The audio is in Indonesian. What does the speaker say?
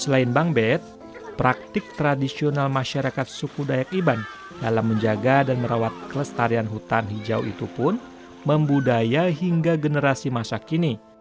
selain bangbet praktik tradisional masyarakat suku dayak iban dalam menjaga dan merawat kelestarian hutan hijau itu pun membudaya hingga generasi masa kini